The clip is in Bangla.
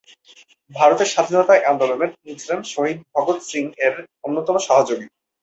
ভারতের স্বাধীনতা আন্দোলনে তিনি ছিলেন শহীদ ভগৎ সিং এর অন্যতম সহযোগী।